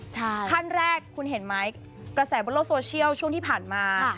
ขั้นแรกคุณเห็นไหมกระแสบนโลกโซเชียลช่วงที่ผ่านมา